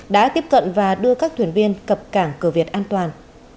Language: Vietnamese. đã tiếp cận và đưa các thuyền viên cập cảng cửa việt an toàn